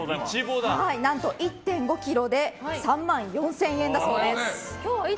何と１．５ｋｇで３万４０００円だそうです。